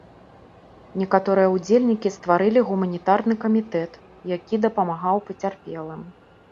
Некаторыя ўдзельнікі стварылі гуманітарны камітэт, які дапамагаў пацярпелым.